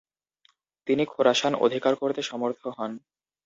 তিনি খোরাসান অধিকার করতে সমর্থ হন।